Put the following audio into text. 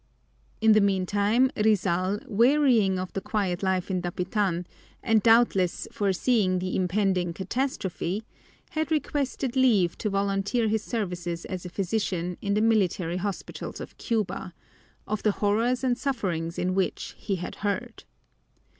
In the meantime Rizal, wearying of the quiet life in Dapitan and doubtless foreseeing the impending catastrophe, had requested leave to volunteer his services as a physician in the military hospitals of Cuba, of the horrors and sufferings in which he had heard.